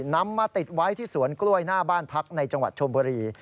นำมาติดไว้ที่สวนกล้วยหน้าบ้านพักในจังหวัดชมบุรี